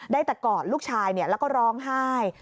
ได้แต่กอดลูกชายแล้วก็ร้องไห้